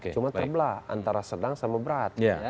cuma terbelah antara sedang sama berat